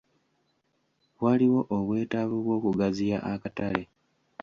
Waliwo obwetaavu bw'okugaziya akatale.